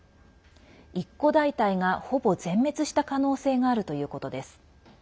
一個大隊が、ほぼ全滅した可能性があるということです。